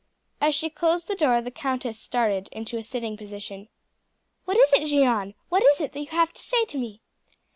As she closed the door the countess started into a sitting position. "What is it, Jeanne? What is it that you have to say to me?"